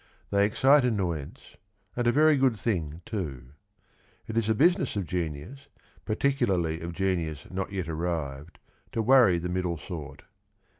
They excite annoyance, and a very good thing too. It is the business of genius, particularly of genius not yet arrived, to worry the middle sort.